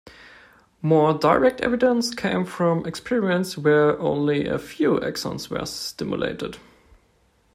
More direct evidence came from experiments where only a few axons were stimulated.